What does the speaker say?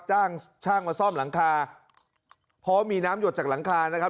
จ้างช่างมาซ่อมหลังคาเพราะมีน้ำหยดจากหลังคานะครับ